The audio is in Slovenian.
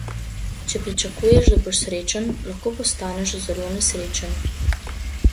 Če pričakuješ, da boš srečen, lahko postaneš zelo nesrečen.